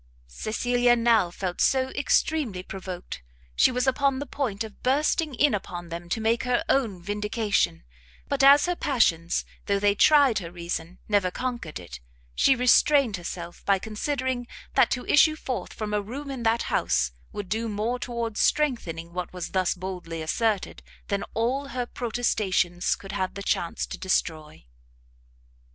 Cecilia now felt so extremely provoked, she was upon the point of bursting in upon them to make her own vindication; but as her passions, though they tried her reason never conquered it, she restrained herself by considering that to issue forth from a room in that house, would do more towards strengthening what was thus boldly asserted, than all her protestations could have chance to destroy.